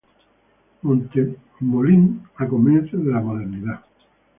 Montemolín a comienzos de la modernidad.